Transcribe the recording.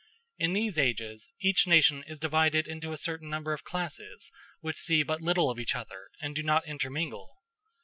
In these ages each nation is divided into a certain number of classes, which see but little of each other, and do not intermingle.